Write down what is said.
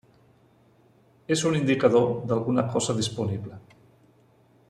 És un indicador d'alguna cosa disponible.